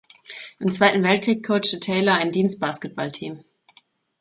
Im Zweiten Weltkrieg coachte Taylor ein Dienstbasketball-Team.